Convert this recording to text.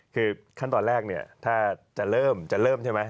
คือขั้นตอนแรกเนี่ยถ้าจะเริ่มจะเริ่มใช่ไหม